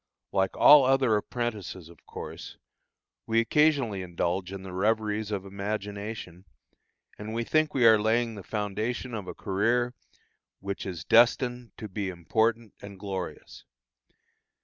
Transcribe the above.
Like all other apprentices, of course, we occasionally indulge in the reveries of imagination, and we think we are laying the foundation of a career which is destined to be important and glorious.